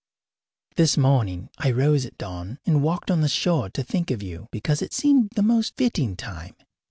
This morning I rose at dawn and walked on the shore to think of you, because it seemed the most fitting time.